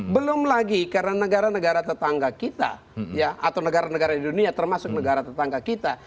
belum lagi karena negara negara tetangga kita atau negara negara di dunia termasuk negara tetangga kita